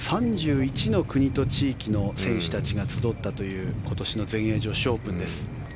３１の国と地域の選手たちが集ったという今年の全英女子オープンです。